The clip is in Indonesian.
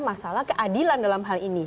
masalah keadilan dalam hal ini